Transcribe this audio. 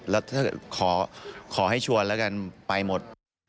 แล้วขอให้ชวนแล้วกันไปหมด